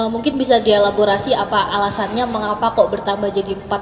mungkin bisa dielaborasi apa alasannya mengapa kok bertambah jadi empat